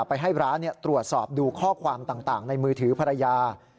ไปให้ร้านตรวจสอบดูข้อความต่างในมือถือภรรยา